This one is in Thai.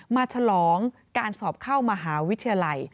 ฉลองการสอบเข้ามหาวิทยาลัย